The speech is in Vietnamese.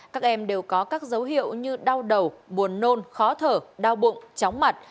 các em đều có các dấu hiệu như đau đầu buồn nôn khó thở đau bụng chóng mặt